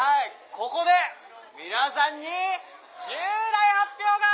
ここで皆さんに重大発表がありまーす！